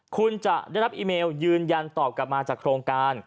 คุณจะได้รับอีเมลยืนยันตอบกลับมาจากโครงการ